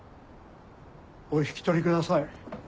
お引き取りください。